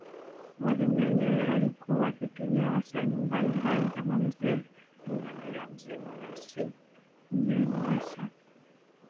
Mwalimu Nyerere alikuwa akitumia wasanii mbali mbali kama Mzee Mwinamila Mzee Moresi Nyunyusa